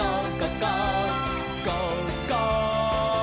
「ゴーゴー！」